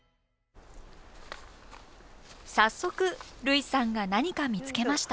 早速類さんが何か見つけました。